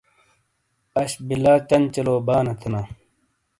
اش بلہ چنچلو بانے تھینا۔